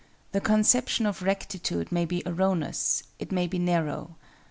The conception of Rectitude may be erroneous—it may be narrow.